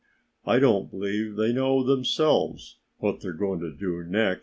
I don't believe they know themselves what they are going to do next."